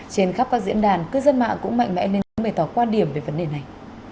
trên khắp các diễn đàn cư dân mạng cũng mạnh mẽ lên đứng bày tỏ quan điểm về vấn đề này